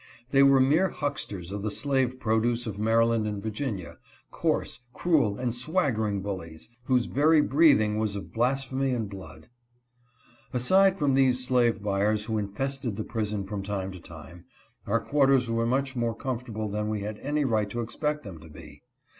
They were mere hucksters of the slave produce of Maryland and Virginia — coarse, cruel, and swaggering bullies, whose very breathing was of blas phemy and blood. Aside from these slave buyers who infested the prison from time to time, our quarters were much more com fortable than we had any right to expect them to be.